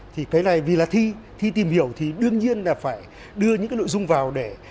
thì cái này vì là thi thi tìm hiểu thì đương nhiên là phải đưa những cái nội dung vào để